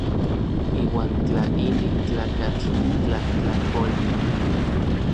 Iuan tla inin tlakatl tlajtlakolej.